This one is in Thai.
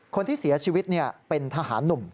คนที่เสียชีวิตเป็นทหารหนุ่ม